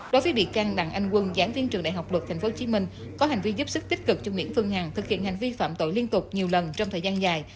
đối với bị can đặng anh quân giảng viên trường đại học luật tp hcm có hành vi giúp sức tích cực cho nguyễn phương hằng thực hiện hành vi phạm tội liên tục nhiều lần trong thời gian dài